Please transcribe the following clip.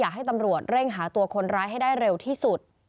ให้ตำรวจเร่งหาตัวคนร้ายให้ได้เร็วที่สุด